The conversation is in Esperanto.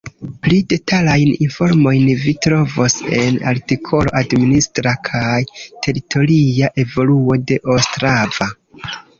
Pli detalajn informojn vi trovos en artikolo Administra kaj teritoria evoluo de Ostrava.